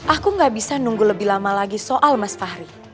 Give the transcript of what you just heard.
aku gak bisa nunggu lebih lama lagi soal mas fahri